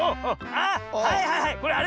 あっはいはいはいこれあれだ。